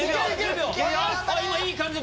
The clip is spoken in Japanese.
今いい感じに！